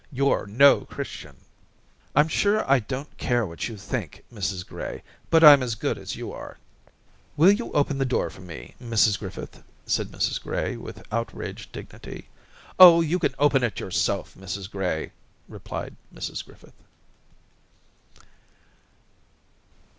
YouVe no Christian.' * I'm sure I don't care what you think, Mrs Gray, but I'm as good as you are.' 'Will you open the door for me, Mrs Griffith?' said Mrs Gray, with outraged dignity. 26o Orientations * Oh, you can open it yourself, Mrs Gray !' replied Mrs Grififith.